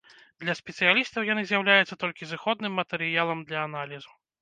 Для спецыялістаў яны з'яўляюцца толькі зыходным матэрыялам для аналізу.